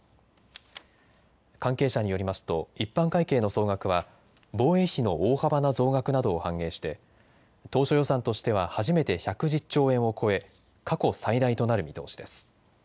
関係者によりますと一般会計の総額は防衛費の大幅な増額などを反映して当初予算としては初めて１１０兆円を超え過去最大となる見通しです。